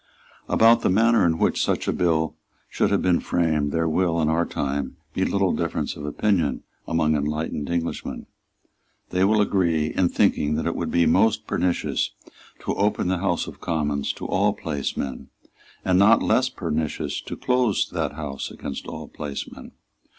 About the manner in which such a bill should have been framed there will, in our time, be little difference of opinion among enlightened Englishmen. They will agree in thinking that it would be most pernicious to open the House of Commons to all placemen, and not less pernicious to close that House against all placemen.